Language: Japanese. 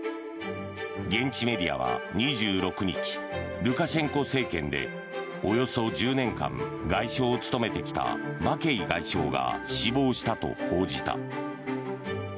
現地メディアは２６日ルカシェンコ政権でおよそ１０年間外相を務めてきたマケイ外相が死亡したと報じた。